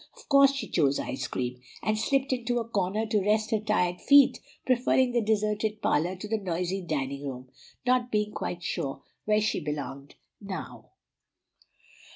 Of course she chose ice cream, and slipped into a corner to rest her tired feet, preferring the deserted parlor to the noisy dining room, not being quite sure where she belonged now.